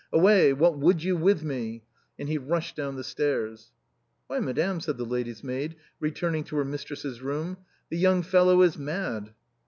"Away, what would you with me ?" And he rushed down the stairs. " Why, madame," said the lady's maid, returning to her mistress's room, " the young fellow is mad."